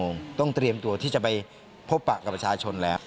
คงต้องเตรียมตัวที่จะไปพบปะกับประชาชนแล้ว